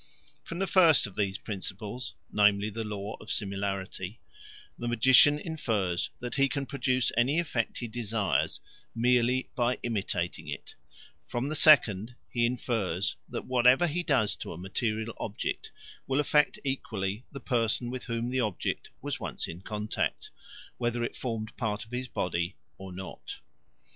From the first of these principles, namely the Law of Similarity, the magician infers that he can produce any effect he desires merely by imitating it: from the second he infers that whatever he does to a material object will affect equally the person with whom the object was once in contact, whether it formed part of his body or not.